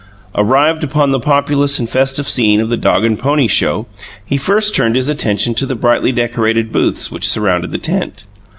Arrived upon the populous and festive scene of the Dog and Pony Show, he first turned his attention to the brightly decorated booths which surrounded the tent.